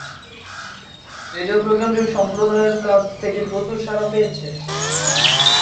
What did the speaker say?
Radio প্রোগ্রামটি সম্প্রদায়ের কাছ থেকে প্রচুর সাড়া পেয়েছে।